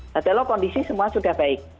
padahal kondisi semua sudah baik